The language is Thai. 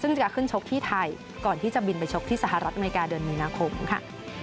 ซึ่งจะขึ้นชกที่ไทยก่อนที่จะบินไปชกที่สหรัฐอเมริกาเดือนมีนาคมค่ะ